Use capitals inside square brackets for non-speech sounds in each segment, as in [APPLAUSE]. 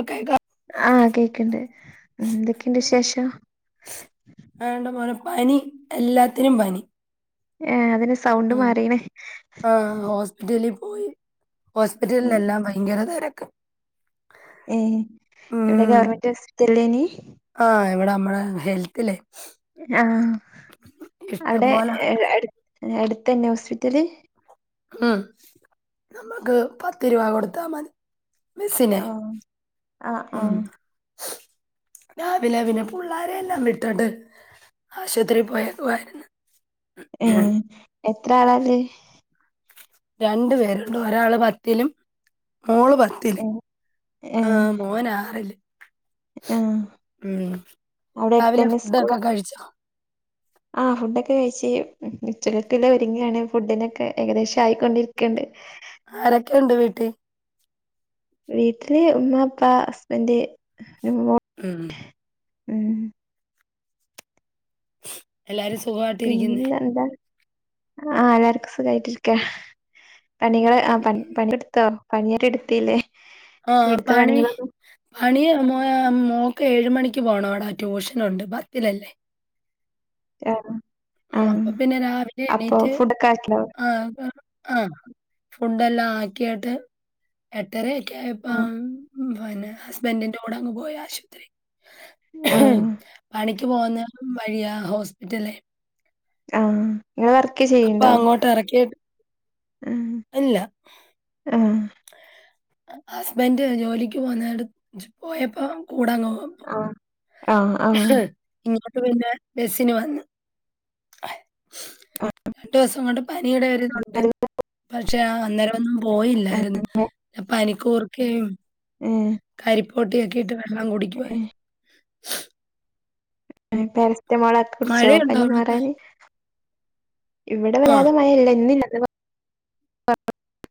ഒക്കെ ആഹ് കേക്കുണ്ട് എന്തൊക്കെയുണ്ട് വിശേഷം. ആണ്ട് മോനെ പനി എല്ലാത്തിനും പനി. ഏഹ് അതിന് സൗണ്ട് ഉം. മാറിന്ന് ആ ഹോസ്പിറ്റലിൽ പോയി ഹോസ്പിറ്റലിലെല്ലാം ഭയങ്കര തെര ഏഹ് ഇവിടെ ഒക്കെ ഉം മറ്റേ. [UNINTELLIGIBLE] ആ ഇവിടെ നമ്മുടെ ഹെൽത്തിലെ ആഹ് ഇഷ്ടം അവിടെ പോലെ ആൾക്കാ- അടു അടുത്തുതന്നെ ഹോസ്പിറ്റല്. ഉം നമ്മുക്ക് പത്ത് രൂപ കൊടുത്താൽ മതി ബസ്സിന് ആഹ് ആഹ് ഉം ആഹ് രാവിലെ പിന്നെ പിള്ളാരെയ എല്ലാം വിട്ടട്ട് ആശുപത്രിൽ പോയ പോയിരുന്നു ഏ എത്ര ആള അതിൽ രണ്ടു പേരുണ്ട് ഒരാള് പത്തിലും മോള് പത്തില്ല് ഏഹ് ആ ഏഹ് മോന് ആറില് ആഹ് മ് അവിടെ രാവിലെ ഫുഡ് ഒക്കെ കഴിച്ചോ ആ ഫുഡൊക്കെ കഴച്ച് [UNINTELLIGIBLE] [UNINTELLIGIBLE] തിരക്ക് എല്ലാം ഒരുങ്ങാണ് [UNINTELLIGIBLE] ഫുഡിനെ ഏകദേശം ആയിക്കൊണ്ടിരിക്കണ്ട് ആരൊക്കെ [UNINTELLIGIBLE] വീട്ടിലെ ഉമ്മ, ഉപ്പ ഹസ്ബൻഡ് മ് മ് എല്ലാരും സുഖമാ പിന്നെ എന്താ ആ എല്ലാർക്കും സുഖായിട്ടിരിക്ക പണികളെ ആ പണിെടുത്തോ പണിയരെ എടുത്തില്ലേ ആഹ വീട്ട്ത്തെ പണി പണികളൊന്നും പണ മ മോക്ക് ഏഴ മണിക്ക് പോണംഡാ ട്യൂഷൻുണ്ട് പത്തിലല്ലേ ആ ആ അപ്പൊ പിന്നെ രാവിലെ അപ്പൊ എണീറ്റ് ഫുഡൊക്കെ ആക്കിയോ ആ ആ ഫു എല്ലാം ആക്കിട്ട് എട്ടര ആ [UNINTELLIGIBLE] ന്നെ ഹസ്ബൻറിന്റെ കൂടെ അങ്ങ് പോയി ആശുപത്രി ആ പണിക്ക പോണവർക്കും വയ്യാ ഹോസ്പിറ്റലിൽ ആ ഇങ്ങള് വർക്ക് അപ്പൊ ചെയ്യ്ണ്ടോ അങ്ങോട്ട് ഇറക്കിട്ട് ആ ഇല്ലാ ആ ഹസ്ബന്ഡ് ജോലിക്ക് പോന്ന പോയപ്പോ കൂടാങ്ങ പോ ആ ആ ആ [UNINTELLIGIBLE] പിന്നെ ബസിന് വന്ന് ആ [UNINTELLIGIBLE] രണ്ട് ദിവസം കൊണ്ട് പനിയടെ ഒരു ഇത് ഒണ്ട് പക്ഷെ ആ അന്നേരം ഒന്നും - പോയില്ലായിരുന്നു പനിക്കൂർ- ം [UNINTELLIGIBLE] ഏ കരിപ്പോട്ടി ഒക്കെ ഇട്ട് വെള്ളം കുടിക്കുമായിരുന്നു ഉ പ [UNINTELLIGIBLE] മളത്ത [UNINTELLIGIBLE] കുടിച്ചോ മഴയുണ്ടോ പനി അവിടൊക്കെ? മാറാന് ഇവിടെ ആ. വരാതെ മഴ ഇല്ല ഇന്നില്ല പാർഹജ്ജ്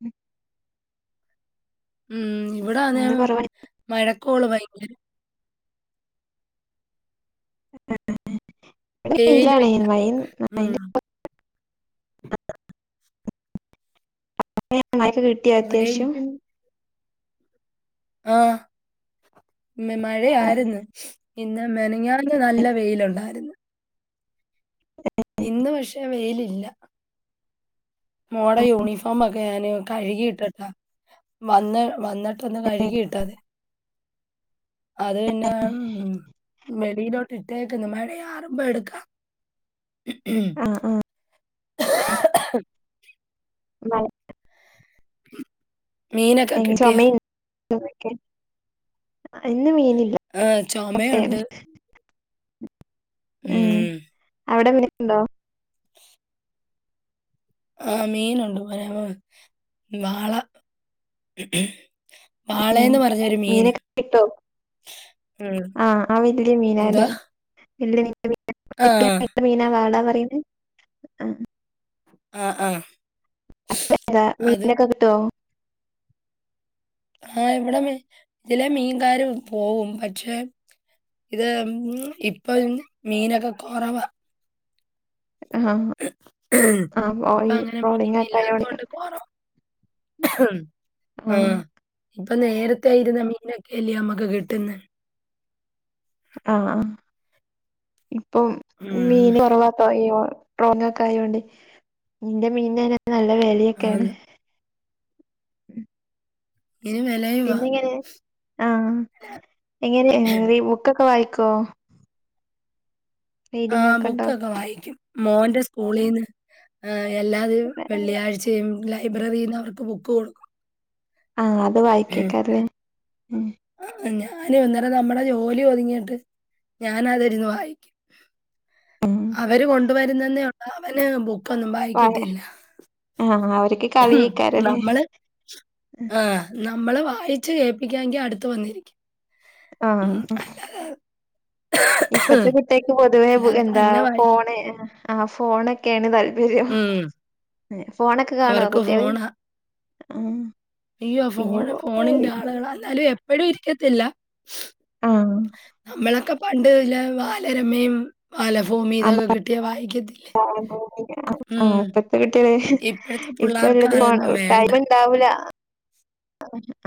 [UNINTELLIGIBLE] ഉംമ് ഇവിടെ ആനേ ഇന്ന് കൊറവാ മഴ കോള് ഭയങ്കരമം അ [UNINTELLIGIBLE] എടെ [UNINTELLIGIBLE] കടയിലാണെ വെയിലുമില്ല. മയ ഉണ്ട് നന്നായിട്ട് [UNINTELLIGIBLE] മ്മായിക്ക് കിട്ടിയാ അത്യാവശ്യം. റേഞ്ചിൻ ആ മ മഴ ആര്ന്ന്. ഇന്ന് മെനഞ്ഞാന്ന് നല്ല വെയിലുണ്ടായിരുന്ന്. ഇന്ന് പഷേ വെയിലില്ല. മോട യൂണിഫോം ഞാന് കഴുകിയിട്ടട്ടാ വന്ന് വന്ന് പ്പൊന്ന് കഴുകിയിട്ടാതെ. അത് പിന്നെ വെയിലോട്ട് ഇട്ടേക്ക്ന്ന് മഴയാ റുമ്പോ എടുക്കാം. [INAUDIBLE] ആ ആ [UNINTELLIGIBLE] മീനൊക്കെ കിട്ടിയോ? [UNINTELLIGIBLE] ന്ന് മീനില്ല ആ ചുമയുണ്ട് [UNINTELLIGIBLE] ഹ് ഉം അവിടെന്ന് ണ്ടോ ആ മീനൊണ്ട് പരവ വാള ഏഹ് വാളയെന്ന് പറഞ്ഞൊരു മീന് മീനൊക്കെ കിട്ടോ ഉം എന്താ ഇല്ലെ [UNINTELLIGIBLE] ആ എങ്ങനെത്ത മീനാ കാണാന്ന മീന് ആ ആ ആ [UNINTELLIGIBLE] അത് മീനിനൊക്കെ കിട്ടുവോ ആ ഇവിടെ മീ ഇതിലെ മീൻകാര് പോകും പക്ഷെ ഇത് ഇപ്പൊ മീനൊക്കെ കൊറവാ ആഹ് ആഹ് ഓ ഇപ്പ ഈ അങ്ങനെ മീൻ ട്രോളിങ്ങൊക്കെ ആയോണ്ട് ഇല്ലാത്തോണ്ട് കൊറവാ ആ ആഹ് ഇപ്പൊ നേരത്തെയിരുന്ന മീനൊക്കെല്ലയോ നമ്മുക്ക് കിട്ടുന്നേ ആ ഇപ്പം ഉം മീന് കൊറവാ ട്രോങ് ഒക്കെ ആയോണ്ട് നിന്റെ മീനെന്നെ നല്ല വെലയൊക്കെയാണ് ആന്ന്. ഉം ഇനി വിലയുവാ. പിന്നെ ഇങ്ങനെ ആ എങ്ങനെ ഈ ബുക്കൊക്കെ വായിക് ക്കൊ ആ ഉണ്ടോ ബുക്കൊക്കെ വായിക്കും മോന്റെസ് സ്കൂളീന്ന് ആ എല്ലാ വെള്ളിയാഴ്ചയും ലൈ ലൈബ്രറിയിന്ന് അവർക്ക് ബുക്ക് കൊടുക്കും ആ അത് വായിക്കോക്കാരല്ലേ ഉം ന്ന് ഞാന് ഇന്നേരം നമ്മുടെ ജോലി ഒതുങ്ങിട്ട് ഞാനതിരുന്ന് വായിക്കും ഉം അവര് കൊണ്ടുവരുന്നന്നെ അവന് ബുക് ക്കൊന്നും വാ വായിക്കത്തില്ല ആഹ് അവർക്ക് കളിയേക്കാരല്ലേ നമ്മള് ആ നമ്മള് വായിച്ചു കേപ്പിക്കാങ്കി അടുത്ത് വന്നിരിക്കും ആ ഉം ഇപ്പത്തെ അല്ലാതെ കുട്ടേക്ക് പൊതുവേ അല്ലാതെ എന്താ തന്നെ വായിക്കും. ഫോണ് ആ ഫോണൊക്കെയാണ് തൽ പര്യം ഉം ഫോണൊക്കെ കാണുവാ അവർക്ക് കുട്ടികള് ഫോണാ. ആഹ അയ്യോ ഫോണ് ഫോണിന്റെ ആളുകള് [UNINTELLIGIBLE] എപ്പോഴും കത്തില്ല ആഹ് നമളക്കെ പണ്ട് ല്ല ബാലരമയും വല്ല ഭൂമി ഇതൊക്കെ കിട്ടിയ വായിക്ക ആഹ് ഇപ്പത്തെ കുട്ടികള് ഇപ്പഴത്തെ ഇപ്പ പിള്ളേർക്ക് അതൊന്നും എല്ലാത്തിനും വേണ്ട. ടൈമ് ഉണ്ടാവൂല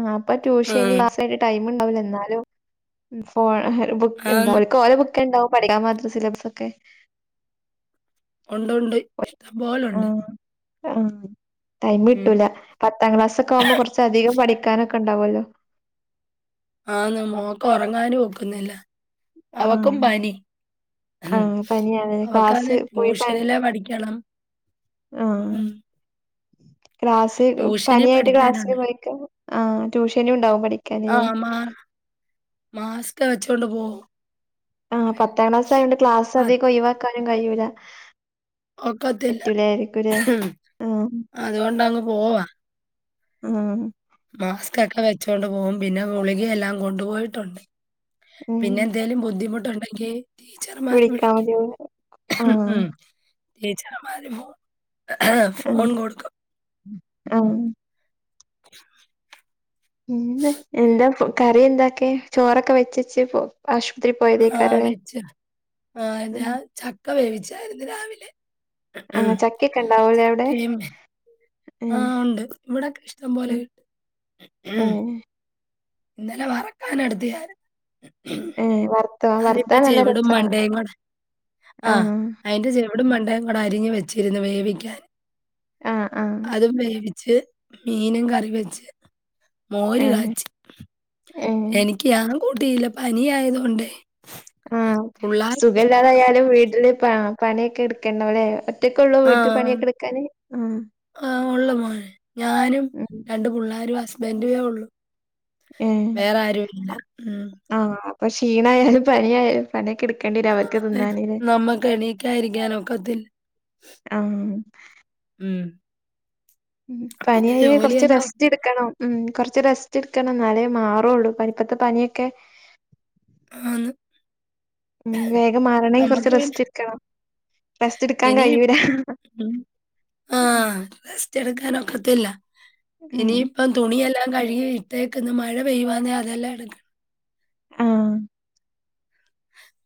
ആഹ് അപ്പൊ ഉം. ട്യൂഷന് ടൈമ് ഇണ്ടാവുല എന്നാലും ഫോ ബുക്ക് എന്ത ആന്ന്. ഓര്ക് ഓല ബുക് ക്കെണ്ടാവും പഠിക്കാൻ മാത്രം സിലബസ് ഒക്കെ ഉണ്ടണ്ട് ഇഷ്ടം പോലുണ്ട് ആ ഉം. ടൈമിട്ടൂല പത്താം ക്ലാസ് ഒക്കാവുമ്പോ കുറച്ചധികം പഠിക്കാനൊ കൊണ്ടാവല്ലോ ആന്നു മോക്ക് ഉറങ്ങാനും ഒക്കുന്നില്ല അവക്കും ആഹ് പനി ഉം ആഹ് പനിയാണ്. ക്ലാസ് അവക്കാന്നേ പോയി പനി ട്യൂഷനിലെ പഠിക്കണം ആഹ് ഉം ക്ലാസ് ട്യൂഷനിൽ പനിയായിട്ട് ക്ലാസ്സില് പഠിക്കാനുണ്ട്. പോയിക്ക ആ ട്യൂഷനും ഉണ്ടാവും പഠിക്കാന് ആ ക്കെ വെച്ചുകൊണ്ട് പോ ആപത്താംക്ലാസ് ആയോണ്ട് ക്ലാസ് അത് അധികം ഒയിവാക്കാൻ കയ്യൂല ഒക്കത്തില്ല ആഹ് അതുകൊണ്ടങ്ങ് പോവാ ആ മാസ്കക്കെ വെച്ചോണ്ട് പോകും പിന്നെ ഗുളികയെല്ലാം കൊണ്ടുപോയിട്ടുണ്ട് പിന്നെ എന്തോലും ബുദ്ധിമുട്ടുണ്ട കേ വിളിക്കാ ആ ട്ടീച്ചറ്മാര് ഫോൺ ഫോൺ ആഹ് കൊടുകും ആഹ് ഇന്ന് എന്താ കറി എന്താക്കെ ചോറൊക്കെ വെച്ചച്ച് പോ ആശുപത്രി ആഹ് പോയതേക്കാരല്ലേ. വെച്ചു ആ ഉം ഞാൻചക്ക വേവിച്ചാരുന്നു ഇന്ന് രാവിലെ ആഹ് ചക്കയൊക്കെ ഉണ്ടാവൂലേ അവിടെ? ചക്കയും ഏഹ് ആഹ് ഉണ്ട് ഇവിടെക്കെ ഇഷ്ടം പൊലെ ഏഹ് കി ഏഹ് ഇന്നലെ വറക്കാൻ എടുത്ത് ഞാൻ ഏഹ് വർത്ത വർത്ത അതിന്റെ നല്ല ചെവിടും രസാണ് മണ്ടയും കൂടെ ആഹ് വിടും മണ്ടേം കൂടെ അറിഞ്ഞ് വെച്ചിരുന്നു വേവിക്കാൻ ആഹ് ആഹ് അതും വേവിച്ച് മീനും കറി വെച്ച് മോര് ഏഹ് കാച്ചി ഏഹ് എനിക്ക് ഞാൻ കൂട്ടില്ല പനി ആയതുകൊണ്ടെ ഉം സുഖല്ലാതയാലും വീട്ടില് ആഹ്‌ പണിയൊക്കെ എടുക്കണലേ ആഹ് ആഹ് ഒള്ളു മോനെ ഞാനും ഉം രണ്ടു പുള്ളേരും ഹസ് ബൻറ്റുവേ ഒള്ളു ഏഹ് വേറേ ആരുവില്ല ഉം അപ്പ ക്ഷീണയാലും പനിയായാലും പണിയൊക്കെ ഇടു ആന്നെ നമ്മക്ക് എണീക്കാതിരിക്കാനൊക്കത്തില്ല ആഹ് ഉം ഉം പിന്നെ പനിയായ കൊറച്ച് ജോലിയെല്ലാം റെസ്റ്റ് ഒതുക്കി എടുക്കണം ഉം കൊറ ച്ച് റെസ്റ്റ് എടുക്കണം എന്നാലേ മാറുവൊള്ളൂ പനി ഇപ്പത്ത പനിയൊക്കെ ആ ന്ന് ഉം വേഗം മാറണമെങ്കിൽ കൊറച്ച് പിന്നെ റെസ്റ്റ് എടുക്കണം റെസ്റ്റ് എടുക്കാൻ ഇനി കഴിയൂല ഉം. ആഹ്. റെസ്റ്റ് എടുക്കാൻ ഒക്കത്തില്ല ഉം ഇനി ഇപ്പം തുണിയെല്ലാം- കഴുകി ഇട്ടേക്ക്ന്ന് മഴ പെയ്യുവാനെ അതെല്ലാം എടുക്കണം ആ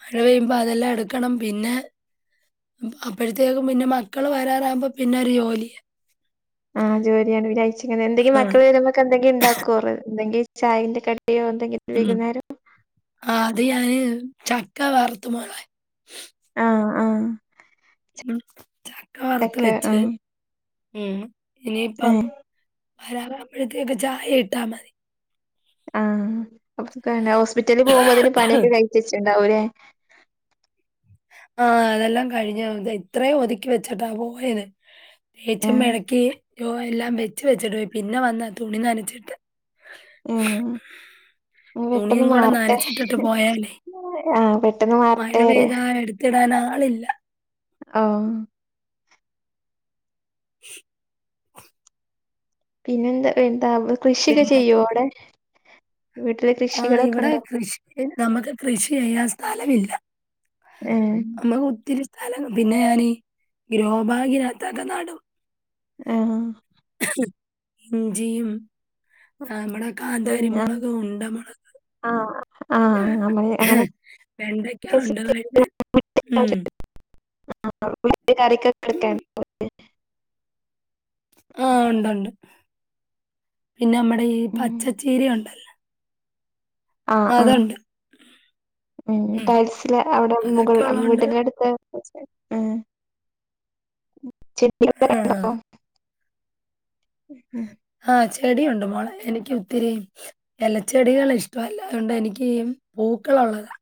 മഴ പെയ്യുമ്പോ അതെല്ലാം എടുക്കണം പിന്നെ അപ്പോഴത്തേക്ക് പിന്നെ മക്കള് വരാറാകുമ്പോ പിന്നെ ഒരു ജോലിയാ ആ ജോലിയാണ് വിചാരിച്ച് ഇങ്ങനെ എന്തെങ്കിലും ആഹ്. മക്കള് വരുമ്പൊക്കെ ഇണ്ടാക്കൊറ് എന്തെങ്കി ചായൻ്റെ കടി ഉം ആ അത് ഞാന് ചക്ക വറത്തു മോളെ ആഹ് ആഹ് ചക്ക വറുത്ത് വെച്ച് ഉം ഇനിയിപ്പം ഏഹ് വരാറാവുമ്പോഴത്തേക്കും ചായ ഇട്ടാ മതി ആഹ് അവസ്ഥ തന്നെ കാരണം ഹോസ്പിറ്റലില് പോവുമ്പത്തെനും പണിയൊക്കെ കൈച്ച് തിരിച്ചു വരും ണ്ടാവൂലെ ആ അതെല്ലാം കഴിഞ്ഞു ഇത് ഇത്രയും ഒതുക്കി വെച്ചട്ടാ പോയത് തേച്ച് ഏഹ് മെഴക്കി യോ എല്ലാം വെച്ച് വെച്ചിട്ട് പോയി പിന്നെ വന്നാ തുണി നനച്ചിട്ടേ ഊം ഉം തുണിയും പെട്ടെന്ന് കൂടെ മാറട്ടെ നനച്ചിട്ടിട്ട് പോയാലേ ആ പെട്ടെന്ന് മാറട്ടേര് അതിനാളില്ല ആ പിന്നെന്താ ഏ താവുള് കൃഷിക്കെ പിന്നെ ചെയ്യോ അവിടെ വീട്ടില് ആ കൃഷികളൊക്കെ ഇവിടെ ഉണ്ടോ? കൃഷി നമുക്ക് കൃഷി ചെയ്യാൻ സ സ്ഥലമില്ല ഏഹ് അമ്മക്ക് ഒത്തിരി സ്ഥലങ്ങും പിന്നെ ഞാനീ ഗ്രോ ബാഗിനത്തകത്തൊക്ക നടും ആഹ് ഇഞ്ചിയും ആ മ്മടെ കാന്താരി പിന്നെ മൊളക് ഉണ്ട മൊളക് ആഹ് പിന്നെ ആഹ് നമ്മള് അങ്ങനെ വെണ്ടക്കാ ഉണ്ടമൊളക് ഊം ആ [UNINTELLIGIBLE] ആ ഒണ്ടൊണ്ട് പിന്നെ അമ്മടെ ഈ ഉം പച്ചച്ചീരയൊണ്ടല്ല ആ ആം ഉം പയിൽസില് അവിടെ അതൊക്കെ മുകൾല് ഉള്ളോണ്ട് വീടിന്റെ അടുത്ത് ഉം ആ ചട്നിയൊക്കെ ഇണ്ടാവോ ഉ ഉം ആ ചെടിയൊണ്ട് മോളെ എനിക്ക് ഒത്തിരി എലച്ചെടികളിഷ്ടോല്ല അതുകൊണ്ട് എനിക്ക് ഈ പൂക്കളൊള്ളതാ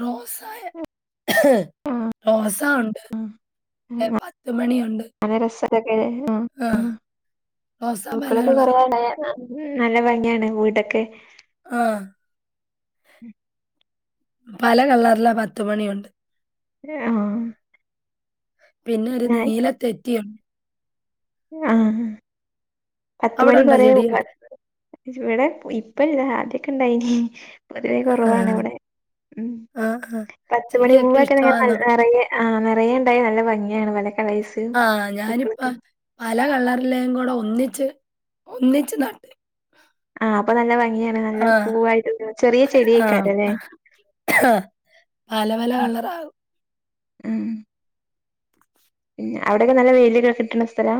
റോസായേ ആഹ് റോസാ ഒണ്ട് എ ആഹ് പത്തുമണിയുണ്ട് നല്ല രസൊക്കെ ആഹ് ആ ആഹ് റോസാ പല കളറാ ഊം നല്ല ഭംഗിയായിട്ട്ണ്ട്‌ വീടൊക്കെ ആ പല കളറില പത്തുമണിയൊണ്ട് എ ആ പിന്ന ഒരു നീല തെറ്റിയൊണ്ട് ആ ഹ് ഹാ അവിടെ പത്തുമണി ഉണ്ടോ കൊറേ ഇവടെ ചെടിയൊക്കെ? ഇവടെ പോയി ഇപ്പല്ല ആദ്യൊക്കെണ്ടായിന് പൊതുവെ ആ. കുറവാണിവിടെ ഉം ആ, ആ. പത്തുമണി ചെടിയൊക്കെ പൂവൊക്കെ ഇഷ്ടമാണോ? [UNINTELLIGIBLE] നെറയെ ആഹ് നെറയെണ്ടായാ നല്ല ഭംഗിയാണ് [UNINTELLIGIBLE] ആ പൂക്കളൊക്കെ ഞാനിപ്പ പല കളർ എല്ലയും കൂടെ ഒന്നിച്ച് ഒന്നിച്ച് നട്ട് ആഹ് അപ്പ നല്ല ഭംഗിയാണ് നല്ല ആ. പൂവായിട്ട് ചെറിയ ചെടി ആ. അയ്ക്കാരല്ലേ? ആ, പല പല കളറാകും. ഉം ഉം അവിടക്കെ നല്ല വെയിലക്കെ കിട്ടണ സ്ഥലാ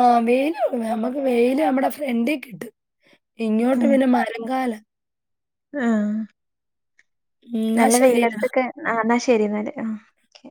ആഹ് വെയില് [UNINTELLIGIBLE] നമ്മക്ക് വെയില് നമ്മടെ ഫ്രണ്ടീ കിട്ടും ഇങ്ങോട്ട് ഉം പിന്നെ മരംകാല ആഹ് എന്നാ നല്ല ശരി. വെയിലത്തൊക്കെ ആ നഷ് ശരി എന്നാല് ആഹ് ക്കെ